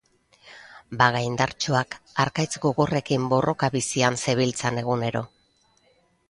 Baga indartsuak harkaitz gogorrekin borroka bizian zebiltzan egunero.